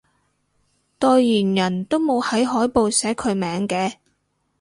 代言人都冇喺海報寫佢名嘅？